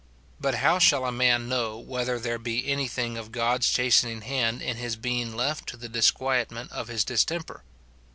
But how shall a man know whether there be any thing of God's chastening hand in his being left to the disquietment of his distemper